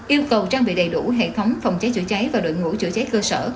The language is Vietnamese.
yêu cầu trang bị đầy đủ hệ thống phòng cháy chữa cháy và đội ngũ chữa cháy cơ sở